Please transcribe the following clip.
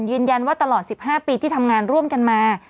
ยืนยันว่าตลอด๑๕ปีที่ทำงานร่วมกันมา